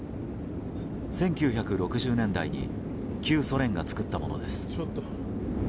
１９６０年代に旧ソ連が作ったものです。